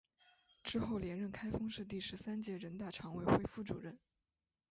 之后连任开封市第十三届人大常委会副主任。